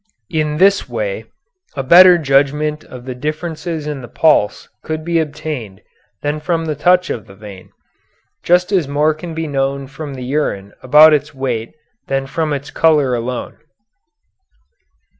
In this way a better judgment of the differences in the pulse could be obtained than from the touch of the vein, just as more can be known from the urine about its weight than from its color alone.